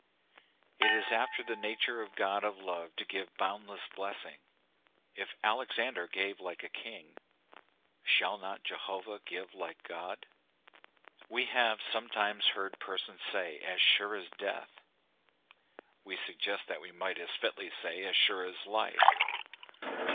It is after the nature of a God of love to give boundless blessing. If Alexander gave like a king, shall not Jehovah give like a God ? We have sometimes heard persons say, "As sure as death ; we suggest that we might as fitly say, " As sure as life.